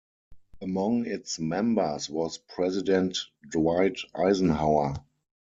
Among its members was President Dwight Eisenhower.